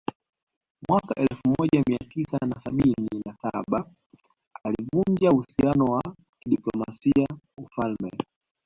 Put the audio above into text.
Mwaka elfu moja Mia tisa na sabini na saba alivunja uhusiano wa kidiplomasia Ufalme